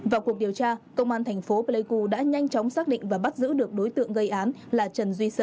vào cuộc điều tra công an thành phố pleiku đã nhanh chóng xác định và bắt giữ được đối tượng gây án là trần duy sơn